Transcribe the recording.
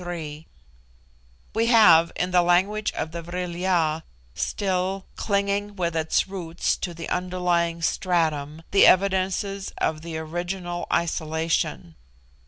3) we have, in the language of the Vril ya, still "clinging with its roots to the underlying stratum," the evidences of the original isolation.